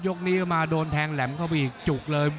นี้ก็มาโดนแทงแหลมเข้าไปอีกจุกเลย